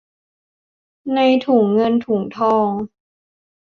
ในถุงเงินถุงทอง